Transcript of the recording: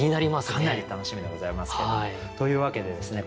かなり楽しみでございますけども。というわけでですね